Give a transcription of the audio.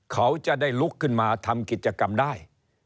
เขาจะได้ลุกขึ้นมาทำกิจกรรมได้